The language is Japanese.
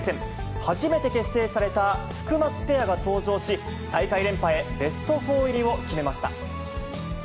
初めて結成されたフクマツペアが登場し、大会連覇へベスト４入りを決めました。